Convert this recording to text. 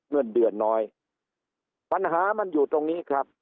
เงินเดือนน้อยปัญหามันอยู่ตรงนี้ครับ